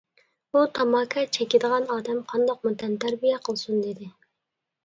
ئۇ، تاماكا چېكىدىغان ئادەم قانداقمۇ تەنتەربىيە قىلسۇن؟ دېدى.